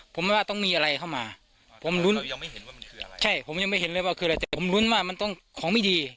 ผมไม่ว่าต้องมีอะไรเข้ามาผมรุ้นแต่ผมรุ้นว่ามันต้องของไม่ดี